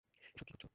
এসব কী করছো?